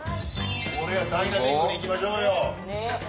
これはダイナミックに行きましょうよ。